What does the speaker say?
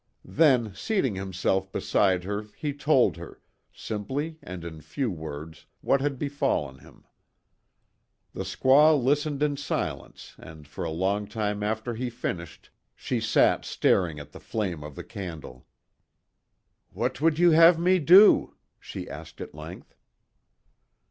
Then, seating himself beside her he told her, simply and in few words what had befallen him. The squaw listened in silence and for a long time after he finished she sat staring at the flame of the candle. "What would you have me do?" she asked at length.